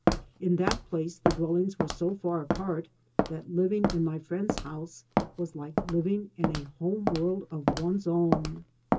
In that place the dwellings were so far apart that living in my friend's house was like living in a home world of one's own.